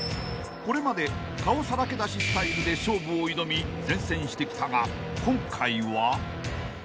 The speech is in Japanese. ［これまで顔さらけ出しスタイルで勝負を挑み善戦してきたが今回は］